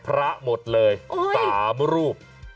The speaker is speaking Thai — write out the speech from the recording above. พระหมดเลย๓รูป